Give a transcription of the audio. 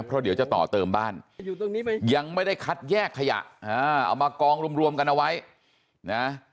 เพราะเดี๋ยวจะต่อเติมบ้านยังไม่ได้คัดแยกขยะเอามากองรวมกันเอาไว้นะ